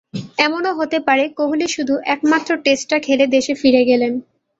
এমনও হতে পারে, কোহলি শুধু একমাত্র টেস্টটা খেলে দেশে ফিরে গেলেন।